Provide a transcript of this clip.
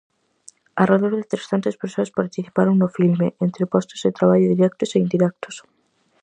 Arredor de trescentas persoas participaron no filme, entre postos de traballo directos e indirectos.